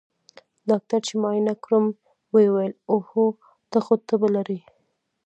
ډاکتر چې معاينه کړم ويې ويل اوهو ته خو تبه لرې.